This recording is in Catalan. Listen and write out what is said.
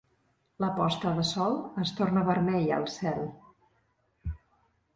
La posta de sol es torna vermella al cel.